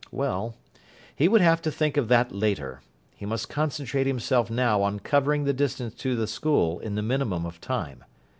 Well, he would have to think of that later. He must concentrate himself now on covering the distance to the school in the minimum of time.